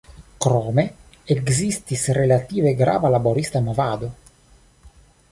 Krome, ekzistis relative grava laborista movado.